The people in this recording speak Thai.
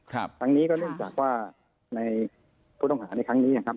ครั้งนี้ก็เนื่องจากว่าในผู้ต้องหาในครั้งนี้นะครับ